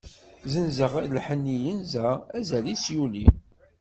Senzeɣ lḥenni yenza, azal-is yuli.